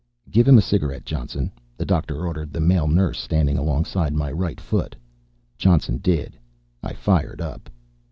"Give him a cigarette, Johnson," the doctor ordered the male nurse standing alongside my right foot. Johnson did. I fired up.